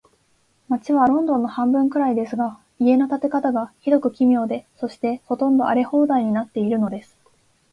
街はロンドンの半分くらいですが、家の建て方が、ひどく奇妙で、そして、ほとんど荒れ放題になっているのです。